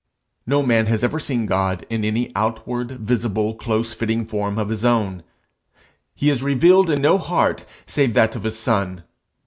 No man has ever seen God in any outward, visible, close fitting form of his own: he is revealed in no shape save that of his son.